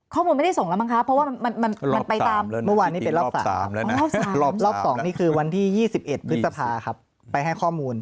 ข้อมูลไม่ได้ส่งแล้วมั้งคะเพราะว่ามันไปตาม